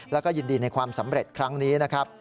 แล้วก็ยินดีในความสำเร็จครั้งนี้นะครับ